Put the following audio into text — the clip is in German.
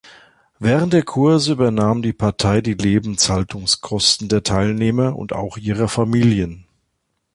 Während der Kurse übernahm die Partei die Lebenshaltungskosten der Teilnehmer und auch ihrer Familien.